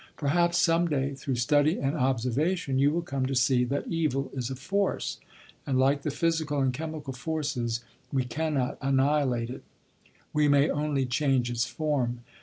Perhaps some day, through study and observation, you will come to see that evil is a force, and, like the physical and chemical forces, we cannot annihilate it; we may only change its form.